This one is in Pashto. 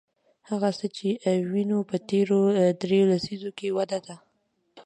هغه څه چې وینو په تېرو درې لسیزو کې وده ده.